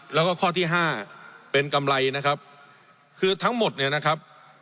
แล้วก็ข้อที่ห้าเป็นกำไรนะครับคือทั้งหมดเนี่ยนะครับ